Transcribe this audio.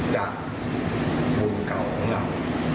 จากบุญเก่าของเรา